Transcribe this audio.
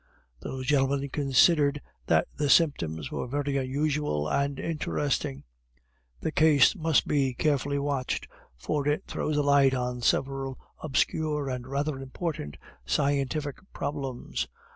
Those gentlemen considered that the symptoms were very unusual and interesting; the case must be carefully watched, for it throws a light on several obscure and rather important scientific problems.